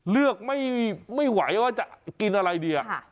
เลือกไม่ไหวว่าจะกินอะไรดี